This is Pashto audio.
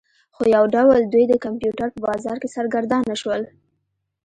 خو یو ډول دوی د کمپیوټر په بازار کې سرګردانه شول